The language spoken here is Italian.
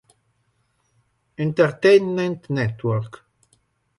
Entertainment Network.